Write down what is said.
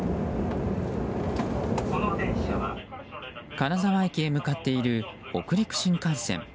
金沢駅へ向かっている北陸新幹線。